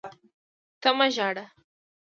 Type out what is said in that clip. ته مه ژاړه!